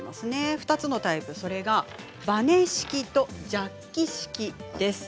２つのタイプバネ式とジャッキ式です。